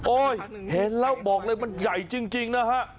เห็นแล้วบอกเลยมันใหญ่จริงนะฮะ